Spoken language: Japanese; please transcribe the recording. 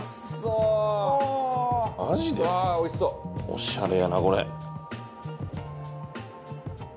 おしゃれやなこれ。